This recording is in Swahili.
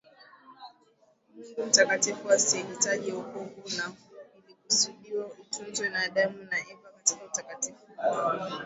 Mungu mtakatifu asiyehitaji wokovu na ilikusudiwa itunzwe na Adam na Eva katika utakatifu wao